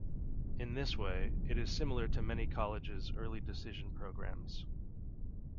In this way, it is similar to many colleges' early decision programs.